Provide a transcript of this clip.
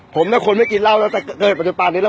ผมนะคนไม่กินเหล้าแล้วแต่เกิดปัจจุบันนี้แล้ว